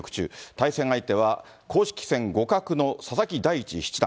対戦相手は、公式戦互角の佐々木大地七段。